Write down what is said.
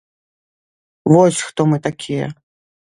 Вось хто мы такія.